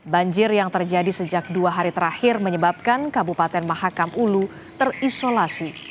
banjir yang terjadi sejak dua hari terakhir menyebabkan kabupaten mahakam ulu terisolasi